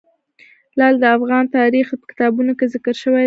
لعل د افغان تاریخ په کتابونو کې ذکر شوی دي.